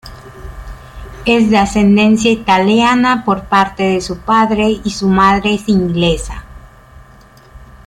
Es de ascendencia italiana por parte de su padre y su madre es inglesa.